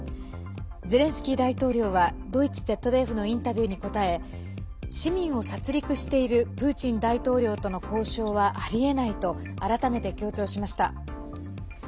ゼレンスキー大統領はドイツＺＤＦのインタビューに答え市民を殺りくしているプーチン大統領との交渉はありえないと改めて強調しました。